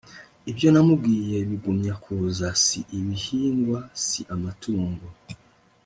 ibyo namubwiye bigumya kuza si ibihingwa si amatungo